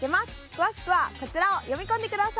詳しくはこちらを読み込んでください！